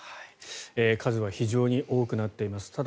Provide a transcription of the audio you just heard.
数は非常に多くなっています。